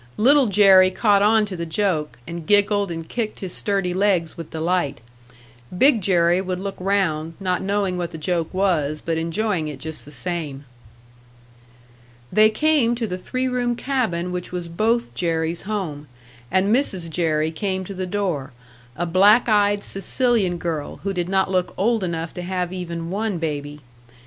Little Jerry caught onto the joke, and giggled and kicked his sturdy legs with delight. Big Jerry would look round, not knowing what the joke was, but enjoying it just the same. They came to the three room cabin which was Both Jerrys' home; and Mrs. Jerry came to the door, a black eyed Sicilian girl, who did not look old enough to have even one baby.